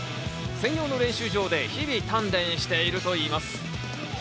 専用の練習場で日々鍛錬しているといいます。